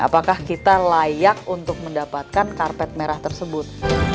apakah kita layak untuk mendapatkan karpet merah tersebut